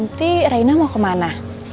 nanti rena mau kemana